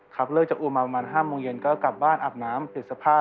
ครับเลิกจะอูมาประมาณ๕โมงเย็นก็กลับบ้านอาบน้ำติดสภาพ